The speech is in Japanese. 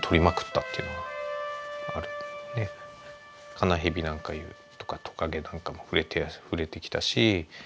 カナヘビなんかとかトカゲなんかも触れてきたし。